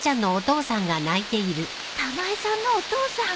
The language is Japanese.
たまえさんのお父さん